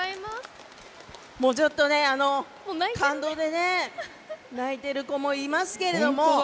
ちょっとね、感動でね泣いてる子もいますけれども。